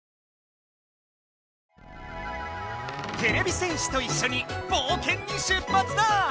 てれび戦士といっしょにぼうけんに出発だ！